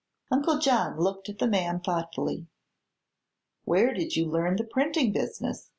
Uncle John looked at the man thoughtfully. "Where did you learn the printing business?"